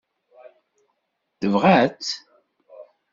Tebɣa-tt.